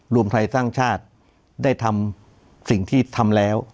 รวมไทยสร้างชาติได้ทำสิ่งที่ทำแล้ว